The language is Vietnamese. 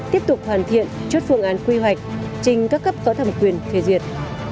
tiếp tục hoàn thiện chốt phương án quy hoạch trình các cấp có thẩm quyền phê duyệt